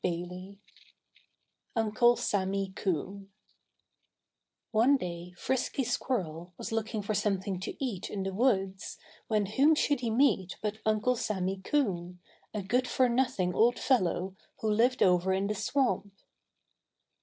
VIII Uncle Sammy Coon One day Frisky Squirrel was looking for something to eat in the woods, when whom should he meet but Uncle Sammy Coon, a good for nothing old fellow who lived over in the swamp.